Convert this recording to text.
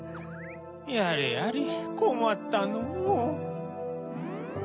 やれやれこまったのう。